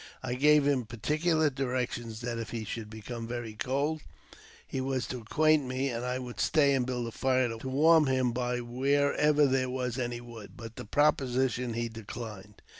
I gave him particular directions that if he should become very cold he was to acquaint me, and I would stay and build up a fire to warm him by wherever there was any wood ; but the proposition he declined.